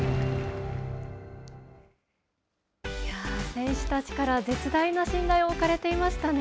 選手たちから絶大な信頼を置かれていましたね。